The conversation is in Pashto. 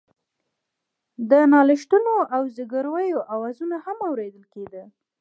د نالښتونو او زګيرويو آوازونه هم اورېدل کېدل.